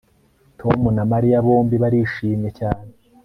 Tom na Mariya bombi barishimye cyane